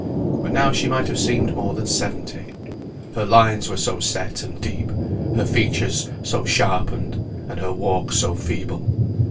But now she might have seemed more than seventy; her lines were so set and deep, her features so sharpened, and her walk so feeble.